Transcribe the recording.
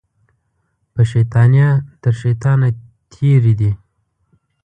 په شیطانیه تر شیطانه تېرې دي